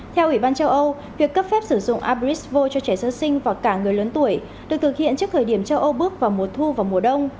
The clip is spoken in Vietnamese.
theo ủy ban châu âu việc cấp phép sử dụng abrisvo cho trẻ sơ sinh và cả người lớn tuổi được thực hiện trước thời điểm châu âu bước vào mùa thu và mùa đông